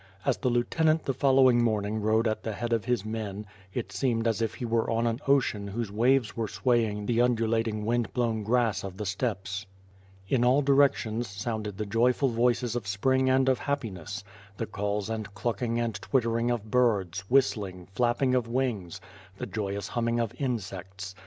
As the lieutenant the following morn ing rode at the head of his men, it seemed as if he were on an ocean whose waves were swaying the undulating wind blown grass of the steppes. In all directions sounded the joyful voices of spring and of happiness: The calls and clucking and twittering of birds., whistling, flapping of wings, the joyous humming of insects.